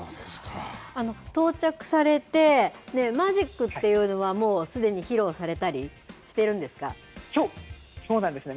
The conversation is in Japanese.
到着されて、マジックっていうのは、もうすでに披露されたりそうなんですね。